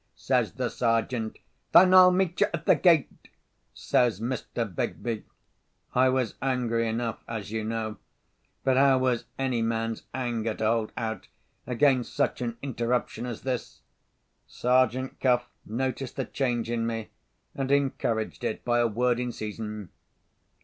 says the Sergeant. "Then I'll meet you at the gate!" says Mr. Begbie. I was angry enough, as you know—but how was any man's anger to hold out against such an interruption as this? Sergeant Cuff noticed the change in me, and encouraged it by a word in season.